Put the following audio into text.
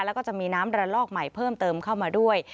แล้วก็จะมีน้ำระลอกใหม่เพิ่มเติมเข้ามาด้วย